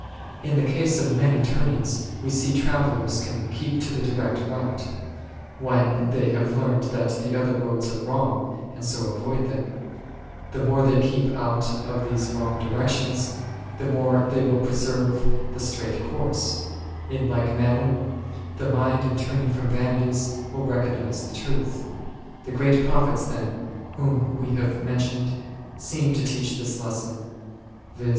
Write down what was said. In the case of many turnings we see travellers can keep to the direct route, when they have learnt that the other roads are wrong, and so avoid them ; the more they keep out of these wrong directions, the more they will pre serve the straight course ; in like manner the mind in turning from vanities will recognize the truth. The great prophets, then, whom we have mentioned seem to teach this lesson, viz.